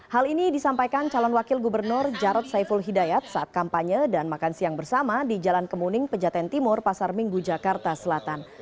hal ini disampaikan calon wakil gubernur jarod saiful hidayat saat kampanye dan makan siang bersama di jalan kemuning pejaten timur pasar minggu jakarta selatan